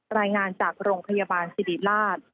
รายงานจากโรงพยาบาลสิริราช